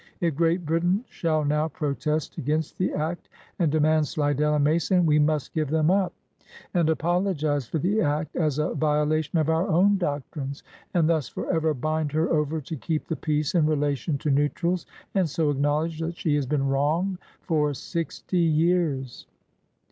If Great Brit ain shall now protest against the act and demand Slidell and Mason, we must give them up and apologize for the act as a violation of our own 121 LINCOLN THE LAWYER doctrines, and thus forever bind her over to keep the peace in relation to neutrals and so acknowl edge that she has been wrong for sixty years."